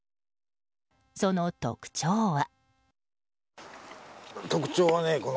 その特徴は。